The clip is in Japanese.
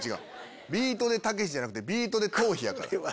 「ビートＤＥたけし」じゃなくて『ビートＤＥトーヒ』やから。